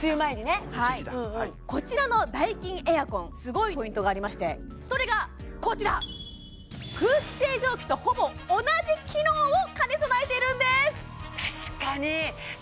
そうだこの時期だこちらのダイキンエアコンすごいポイントがありましてそれがこちら空気清浄機とほぼ同じ機能を兼ね備えているんです